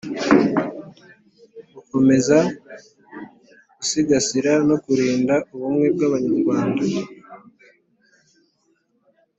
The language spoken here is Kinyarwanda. Gukomeza gusigasira no kurinda ubumwe bw abanyarwanda